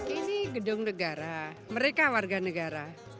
ini gedung negara mereka warga negara